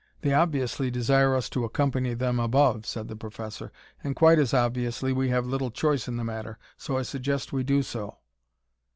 "They obviously desire us to accompany them above," said the professor, "and quite as obviously we have little choice in the matter, so I suggest we do so."